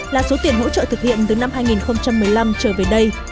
là số tiền hỗ trợ thực hiện từ năm hai nghìn một mươi năm trở về đây